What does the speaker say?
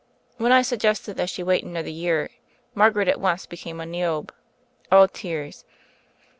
When I suggested that she wait another year, Margaret at once became a Niobe, all tears.